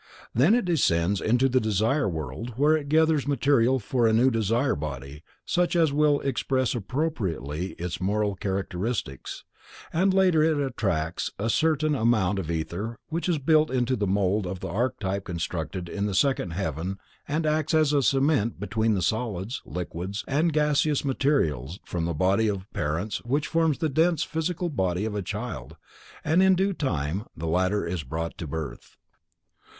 Then it descends into the Desire World where it gathers material for a new desire body such as will express appropriately its moral characteristics, and later it attracts a certain amount of ether which is built into the mold of the archetype constructed in the second heaven and acts as cement between the solids, liquids and gaseous material from the bodies of parents which forms the dense physical body of a child, and in due time the latter is brought to birth.